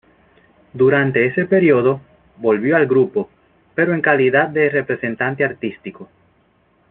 Durante ese periodo, volvió al grupo, pero en calidad de representante artístico.